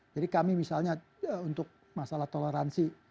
jadi kami misalnya untuk masalah toleransi